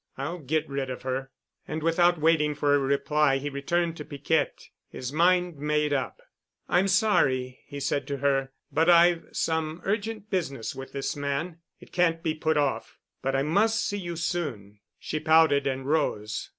I'll get rid of her." And without waiting for a reply he returned to Piquette, his mind made up. "I'm sorry," he said to her, "but I've some urgent business with this man. It can't be put off. But I must see you soon——" She pouted and rose.